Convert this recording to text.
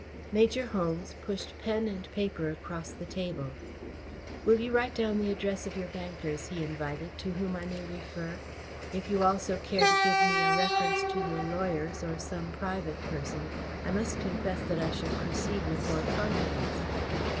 Major Holmes pushed pen and paper across the table. "Will you write down the address of your bankers," he invited, "to whom I may refer? If you also care to give me a reference to your lawyers or some private person, I must confess that I should proceed with more confidence."